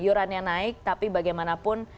iurannya naik tapi bagaimanapun